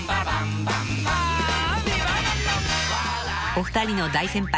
［お二人の大先輩］